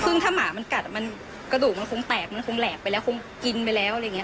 ซึ่งถ้าหมามันกัดมันกระดูกมันคงแตกมันคงแหลกไปแล้วคงกินไปแล้วอะไรอย่างนี้